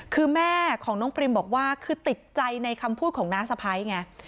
คือแม่ของน้องปริมบอกว่าคือติดใจในคำพูดของน้าสะพ้ายไง